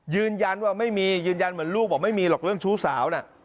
ยืนยันว่าไม่มียืนยันเหมือนลูกบอกไม่มีหรอกเรื่องชู้สาวน่ะ